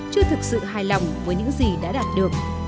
chưa thực sự hài lòng với những gì đã đạt được